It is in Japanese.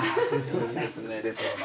いいですねレトロな。